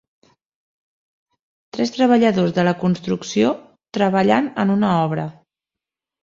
Tres treballadors de la construcció treballant en una obra.